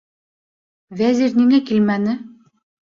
- Вәзир ниңә килмәне?